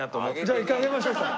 じゃあ一回挙げましょうか。